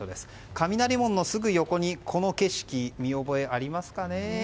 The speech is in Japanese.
雷門のすぐ横にこの景色、見覚えありますかね。